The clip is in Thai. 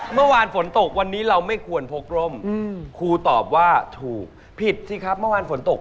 เมื่อวานฝนตกวันนี้เราไม่ควรพกร่มครูตอบว่าถูกผิดสิครับเมื่อวานฝนตก